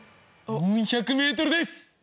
４００ｍです！